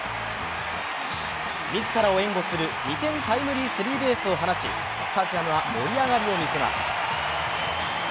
自らを援護する２点タイムリースリーベースを放ちスタジアムは盛り上がりを見せます。